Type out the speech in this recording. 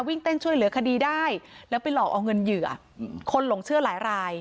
วิ่งเต้นช่วยเหลือคดีได้แล้วไปหลอกเอาเงินเหยื่อคนหลงเชื่อหลายราย